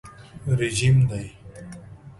رژیم دی.